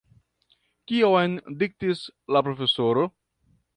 Kion diktis la profesoro?